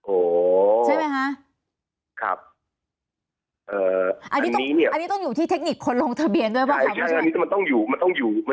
โอ้โฮครับอันนี้เนี่ยอันนี้ต้องอยู่ที่เทคนิคคนลงทะเบียนด้วยหรือเปล่าครับ